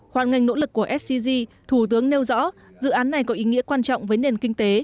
hoàn ngành nỗ lực của scg thủ tướng nêu rõ dự án này có ý nghĩa quan trọng với nền kinh tế